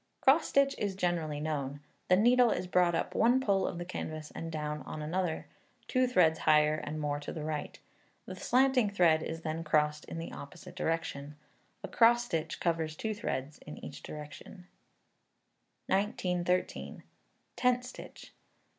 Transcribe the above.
Cross stitch is generally known. The needle is brought up in one pole of the canvas and down on another, two threads higher and more to the right. The slanting thread is then crossed in the opposite direction. A cross stitch covers two threads in each direction. 1913. Tent Stitch.